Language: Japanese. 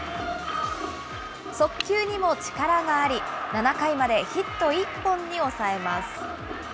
速球にも力があり、７回までヒット１本に抑えます。